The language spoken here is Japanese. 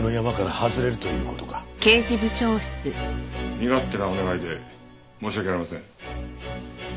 身勝手なお願いで申し訳ありません。